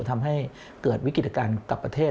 ทำให้เกิดวิกฤตการณ์กับประเทศ